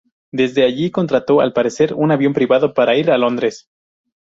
Desde allí contrató al parecer un avión privado para ir a Londres.